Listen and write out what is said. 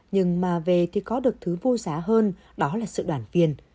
nhưng mà về thì có được thứ vô giá hơn đó là sự đoàn viên